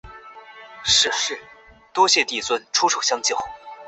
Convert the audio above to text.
近交衰退是指一个种群内因近亲繁殖而导致其生物适应度下降的情况。